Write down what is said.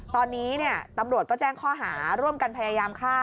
ตอนนี้ตำรวจก็แจ้งข้อหาร่วมกันพยายามฆ่า